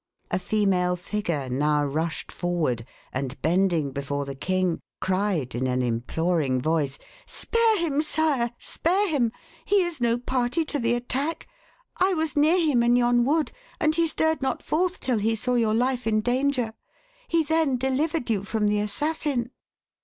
A female figure now rushed forward, and bending before the king, cried in an imploring voice "Spare him, sire spare him! He is no party to the attack. I was near him in yon wood, and he stirred not forth till he saw your life in danger. He then delivered you from the assassin."